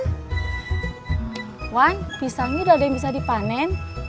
wang pisangnya udah ada yang bisa dipanen